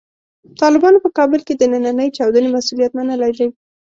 طالبانو په کابل کې د نننۍ چاودنې مسوولیت منلی دی.